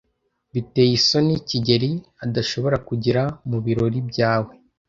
Biteye isoni kigeli adashobora kugera mubirori byawe.